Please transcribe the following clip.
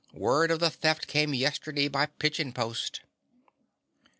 Word of the theft came yesterday by pigeon post."